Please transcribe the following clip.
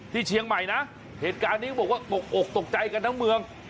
ที่เชียงใหม่นะเหตุการณ์นี้เขาบอกว่าตกอกตกใจกันทั้งเมือง